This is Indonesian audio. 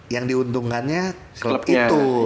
yang diuntungkannya klub itu